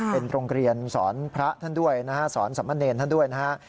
เป็นโรงเรียนสอนพระท่านด้วยนะฮะสอนสมเนรท่านด้วยนะฮะ